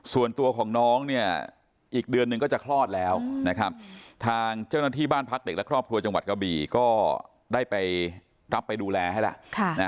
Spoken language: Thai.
ส่วนตัวของน้องเนี่ยอีกเดือนหนึ่งก็จะคลอดแล้วนะครับทางเจ้าหน้าที่บ้านพักเด็กและครอบครัวจังหวัดกะบี่ก็ได้ไปรับไปดูแลให้แล้ว